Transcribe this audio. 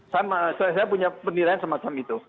sama saya punya penilaian semacam itu